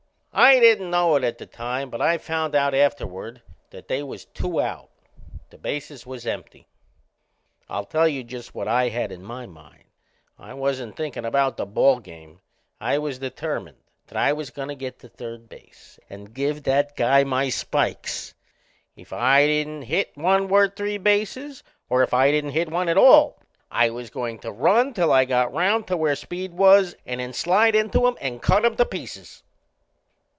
I didn't know it at the time, but I found out afterward that they was two out. The bases was empty. I'll tell you just what I had in my mind: I wasn't thinkin' about the ball game; I was determined that I was goin' to get to third base and give that guy my spikes. If I didn't hit one worth three bases, or if I didn't hit one at all, I was goin' to run till I got round to where Speed was, and then slide into him and cut him to pieces!